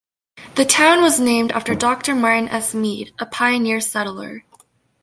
The town was named after Doctor Martin S. Mead, a pioneer settler.